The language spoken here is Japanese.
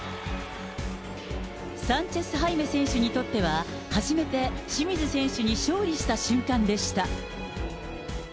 サンチェスハイメ選手にとっては初めて清水選手に勝利した瞬間でした。